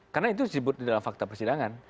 karena itu disebut dalam fakta persidangan